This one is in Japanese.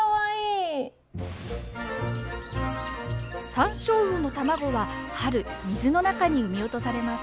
サンショウウオの卵は春水の中に産み落とされます。